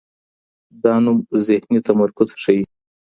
دا نوم ذهني تمرکز ښيي.